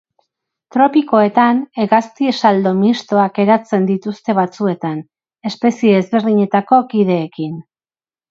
Tropikoetan hegazti-saldo mistoak eratzen dituzte batzuetan, espezie ezberdinetako kideekin.